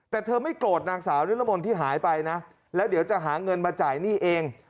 แต่เธอไม่โกรธนางสาวนิรมนต์ที่หายไปนะแล้วเดี๋ยวจะหาเงินมาจ่ายหนี้เอง